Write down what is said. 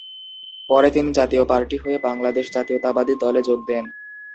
পরে তিনি জাতীয় পার্টি হয়ে বাংলাদেশ জাতীয়তাবাদী দলে যোগ দেন।